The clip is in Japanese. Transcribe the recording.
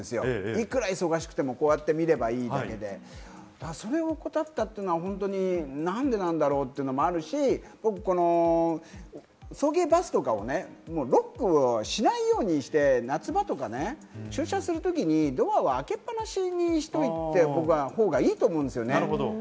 いくら忙しくても見ればいいだけで、それを怠ったというのは何でなんだろう？というのもあるし、この送迎バスとかをロックをしないようにして、夏場とか駐車するときにドアを開けっ放しにしといたほうがいいと思うんだよね。